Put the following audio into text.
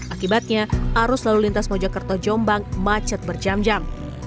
akibatnya arus lalu lintas mojokerto jombang macet berjam jam